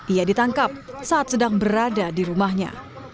ia ditangkap saat sedang berada di rumahnya